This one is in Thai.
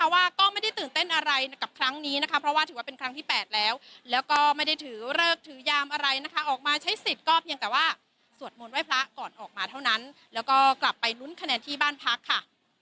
ให้สิทธิ์ก็เพียงแต่ว่าสวรรค์มนต์ไว้พระคอนออกมาเท่านั้นแล้วก็กลับไปลุ้นคะแนนที่บ้านพักค่ะ